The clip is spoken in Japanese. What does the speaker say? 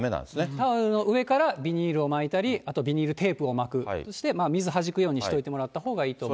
タオルの上からビニールを巻いたり、あとビニールテープを巻く、そして水はじくようにしておいてもらったほうがいいと思います。